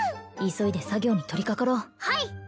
急いで作業に取りかかろうはい！